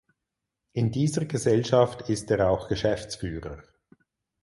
In dieser Gesellschaft ist er auch Geschäftsführer.